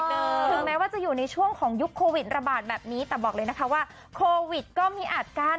ถึงแม้ว่าจะอยู่ในช่วงของยุคโควิดระบาดแบบนี้แต่บอกเลยนะคะว่าโควิดก็มีอาการ